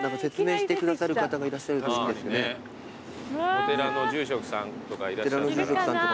お寺の住職さんとかいらっしゃったら。